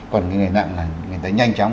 còn cái người nặng là người ta nhanh chóng